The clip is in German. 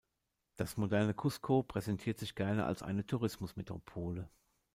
Das moderne Cusco präsentiert sich gerne als eine Tourismus-Metropole.